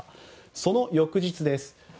その翌日です。